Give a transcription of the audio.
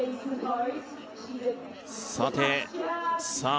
さてさあ